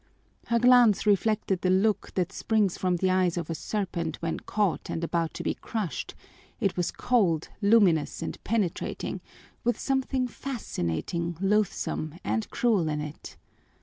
Her glance reflected the look that springs from the eyes of a serpent when caught and about to be crushed; it was cold, luminous, and penetrating, with something fascinating, loathsome, and cruel in it.